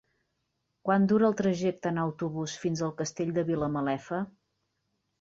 Quant dura el trajecte en autobús fins al Castell de Vilamalefa?